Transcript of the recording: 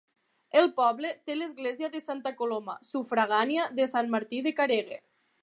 El poble té l'església de Santa Coloma, sufragània de Sant Martí de Caregue.